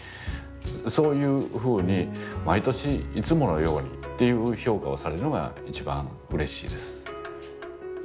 そういうふうに毎年「いつものように」っていう評価をされるのが一番うれしいです。